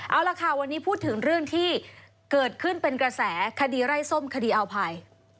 เอาล่ะค่ะวันนี้พูดถึงเรื่องที่เกิดขึ้นเป็นกระแสคดีไร้ส้มคดีอาวภัย